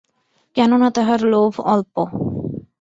কেননা, তাঁহার লোভ অল্প।